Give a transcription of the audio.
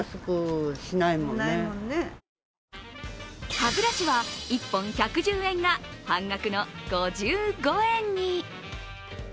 歯ブラシは１本１１０円が半額の５５円に。